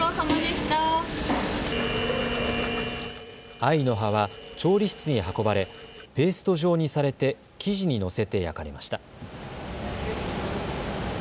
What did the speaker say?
藍の葉は調理室に運ばれペースト状にされて生地に載せて焼かれました。